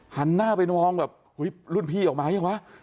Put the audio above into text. หันหน้าไปมองแบบอุ๊ยรุ่นพี่ออกมาหรือมั้ยหรือเปล่า